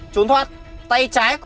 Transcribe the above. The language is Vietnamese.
trốn thoát tay trái